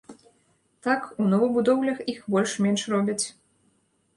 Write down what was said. Так, у новабудоўлях іх больш-менш робяць.